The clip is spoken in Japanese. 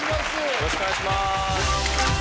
よろしくお願いします